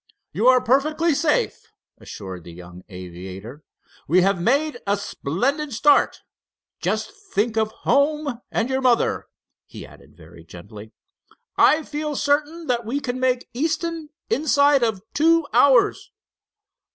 "You are perfectly safe," assured the young aviator. "We have made a splendid start. Just think of home—and your mother," he added very gently. "I feel certain that we can make Easton inside of two hours."